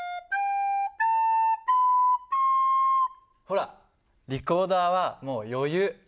ほらリコーダーはもう余裕！